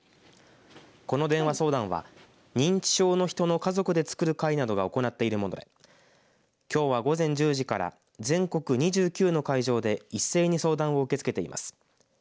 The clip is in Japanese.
この電話相談は認知症の人の家族でつくる会などが行っているものできょうは午前１０時から全国２９の会場で一斉に相談を受け付けています。